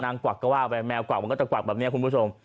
กวักก็ว่าไปแมวกวักมันก็ตะกวักแบบนี้คุณผู้ชม